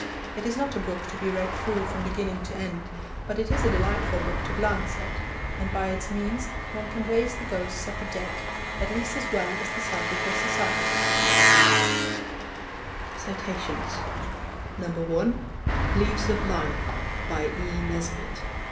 It is not a book to be read through from beginning to end, but it is a delightful book to glance at, and by its means one can raise the ghosts of the dead, at least as well as the Psychical Society can. (1) Leaves of Life. By E. Nesbit.